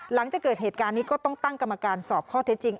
หลังจากเกิดเหตุการณ์นี้ก็ต้องตั้งกรรมการสอบข้อเท็จจริง